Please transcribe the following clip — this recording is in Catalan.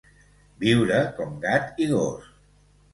Viure com gat i gos.